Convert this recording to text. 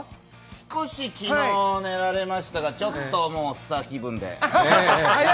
少し昨日は寝られましたけど、ちょっとスター気分で。